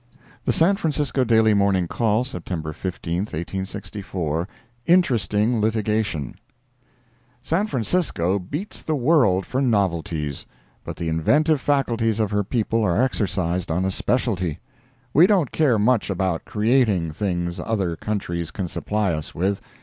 The San Francisco Daily Morning Call, September 15, 1864 INTERESTING LITIGATION San Francisco beats the world for novelties; but the inventive faculties of her people are exercised on a specialty. We don't care much about creating things other countries can supply us with.